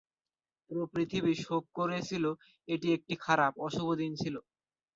পুরো পৃথিবী শোক করেছিল এটি একটি খারাপ, অশুভ দিন ছিল।